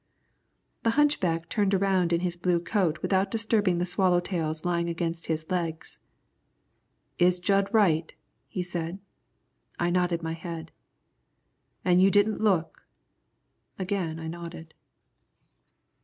The hunchback turned around in his blue coat without disturbing the swallowtails lying against his legs. "Is Jud right?" he said. I nodded my head. "An' you didn't look?" Again I nodded.